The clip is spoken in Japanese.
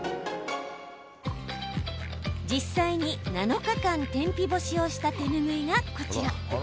実際に７日間、天日干しをした手ぬぐいがこちら。